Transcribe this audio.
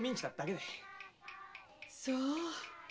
そう。